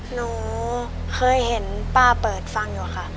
หนูเคยเห็นป้าเปิดฟังอยู่ค่ะ